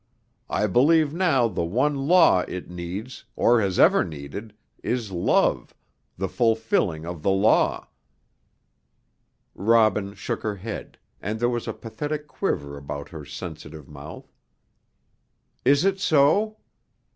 I believe now the one law it needs, or has ever needed, is love, the fulfilling of the law." Robin shook her head, and there was a pathetic quiver about her sensitive mouth. "Is it so?